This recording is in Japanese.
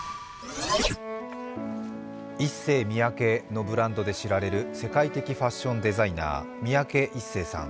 ＩＳＳＥＹＭＩＹＡＫＥのブランドで知られる世界的ファッションデザイナー三宅一生さん、